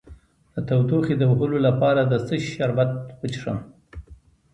د تودوخې د وهلو لپاره د څه شي شربت وڅښم؟